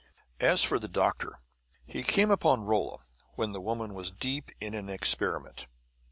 As for the doctor, he came upon Rolla when the woman was deep in an experiment.